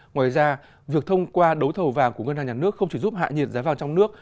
ngoài ra việc thông qua đấu thầu vàng của ngân hàng nhà nước không chỉ giúp hạ nhiệt giá vàng trong nước